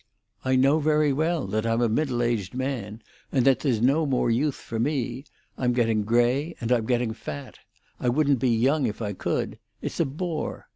I know very well that I'm a middle aged man, and that there's no more youth for me. I'm getting grey, and I'm getting fat; I wouldn't be young if I could; it's a bore.